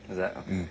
うん。